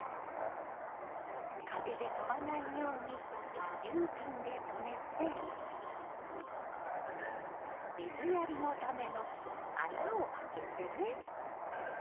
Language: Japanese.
風で飛ばないようにＵピンで留めて水やりのための穴を開けてね。